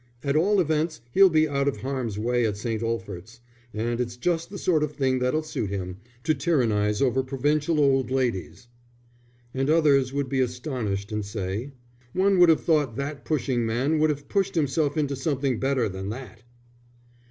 At all events he'll be out of harm's way at St. Olphert's, and it's just the sort of thing that'll suit him to tyrannize over provincial old ladies." And others would be astonished and say: "One would have thought that pushing man would have pushed himself into something better than that!"